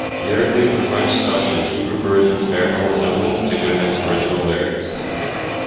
Lyrically, the French, Dutch and Hebrew versions bear no resemblance to Goodman's original lyrics.